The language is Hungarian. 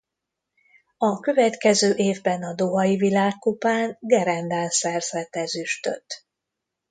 A következő évben a dohai világkupán gerendán szerzett ezüstöt.